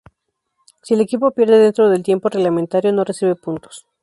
Si el equipo pierde dentro del tiempo reglamentario, no recibe puntos.